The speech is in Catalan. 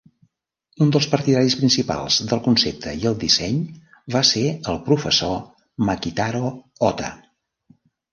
Un dels partidaris principals del concepte i el disseny va ser el Professor Makitaro Hotta.